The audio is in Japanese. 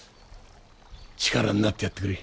力になってやってくれ。